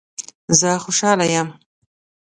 زه خوشحاله یم